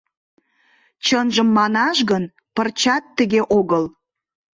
Чынжым манаш гын, пырчат тыге огыл.